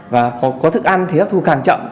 và có thức ăn thì hấp thu càng chậm